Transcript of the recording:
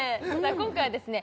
今回はですね